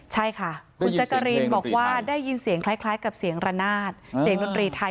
ใช่ค่ะคุณแจ๊กกะรีนบอกว่าได้ยินเสียงคล้ายกับเสียงระนาดเสียงดนตรีไทย